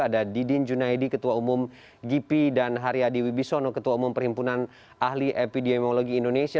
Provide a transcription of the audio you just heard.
ada didin junaidi ketua umum gipi dan haryadi wibisono ketua umum perhimpunan ahli epidemiologi indonesia